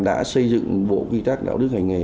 đã xây dựng bộ quy tắc đạo đức hành nghề